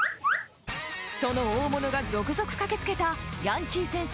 その大物が続々駆けつけたヤンキー先生